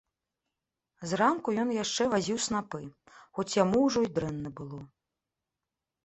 Зранку ён яшчэ вазіў снапы, хоць яму ўжо і дрэнна было.